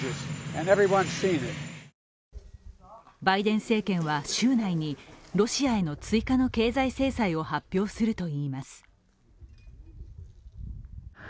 バイデン政権は週内にロシアへの追加の経済制裁を発表するといいます。